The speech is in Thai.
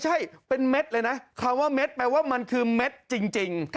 ใช่เป็นเม็ดเลยนะคำว่าเม็ดแปลว่ามันคือเม็ดจริง